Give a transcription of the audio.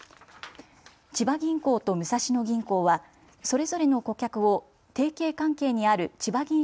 千葉銀行と武蔵野銀行はそれぞれの顧客を提携関係にあるちばぎん